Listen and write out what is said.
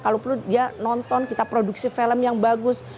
kalau perlu dia nonton kita produksi film yang bagus